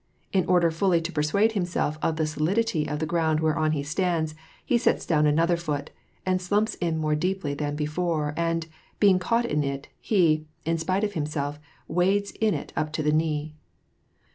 In order fully to persuade himself of the solidity of the ground whereon he stands, he sets down another foot, and slumps in more deeply than hefore, and, being caught in it, he, in spite of himself, wades in up to the knee.